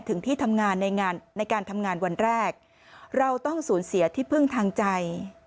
ถึงที่ทำงานในงานในการทำงานวันแรกเราต้องสูญเสียที่พึ่งทางใจ